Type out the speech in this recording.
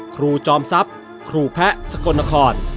ครูจอมทรัพย์ครูแพะสกลนคร